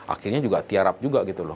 akhirnya juga tiarap juga gitu loh